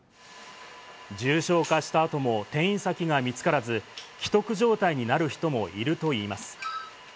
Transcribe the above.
重症化したあとも転院先が見つからず、危篤状態になる人もいるといいます。